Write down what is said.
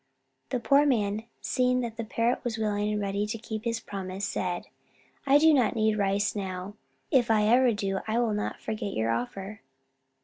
The poor man, seeing that the Parrot was willing and ready to keep his promise, said: "I do not need rice now. If ever I do, I will not forget your offer."